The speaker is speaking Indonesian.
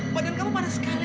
kamu gak makan